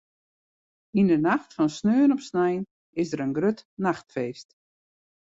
Yn 'e nacht fan sneon op snein is der in grut nachtfeest.